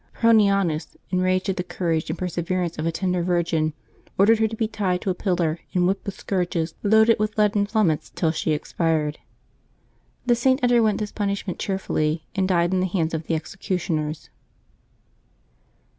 Apronianus, enraged at the courage and per severance of a tender virgin, ordered her to be tied to a pillar and whipped with scourges loaded with leaden plum mets till she expired. The Saint underwent this punish ment cheerfully, and died in the hands of the executioners.